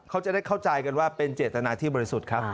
เขาจะได้เข้าใจกันว่าเป็นเจตนาที่บริสุทธิ์ครับ